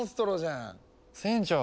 船長。